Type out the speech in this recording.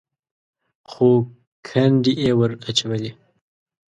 خو ګنډې یې ور اچولې.